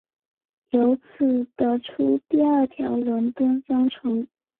由此得出第二条伦敦方程。